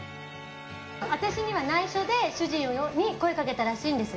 私には内緒で、主人に声をかけたらしいんです。